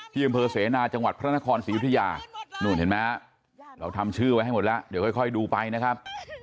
ที่อำเภอเสนาจังหวัดพระนครศรียุธยานู่นเห็นไหมฮะเราทำชื่อไว้ให้หมดแล้วเดี๋ยวค่อยดูไปนะครับ